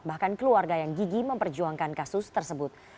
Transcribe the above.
bahkan keluarga yang gigi memperjuangkan kasus tersebut